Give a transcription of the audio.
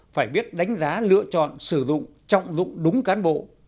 phải biết đánh giá lựa chọn sử dụng trọng dụng đúng cán bộ